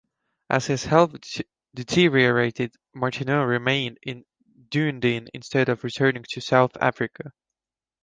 As his health deteriorated Martineau remained in Dunedin instead of returning to South Africa.